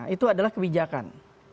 itu adalah kebijakan